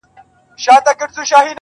ویر او مرګونو له شتون څخه ډک ښکاري